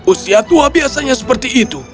usia tua biasanya seperti itu